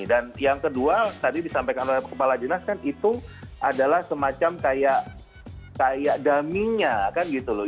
dan yang kedua tadi disampaikan oleh kepala jinas kan itu adalah semacam kayak gamingnya kan gitu loh